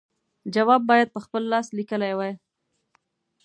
جواب باید په خپل لاس لیکلی وای.